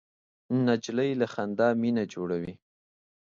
نجلۍ له خندا نه مینه جوړوي.